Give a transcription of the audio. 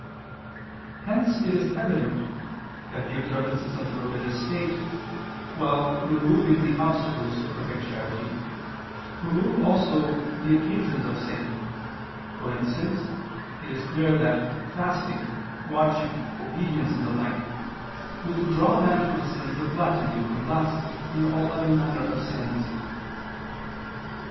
Hence it is evident that the observances of the religious state, while removing the obstacles to perfect charity, remove also the occasions of sin: for instance, it is clear that fasting, watching, obedience, and the like withdraw man from sins of gluttony and lust and all other manner of sins.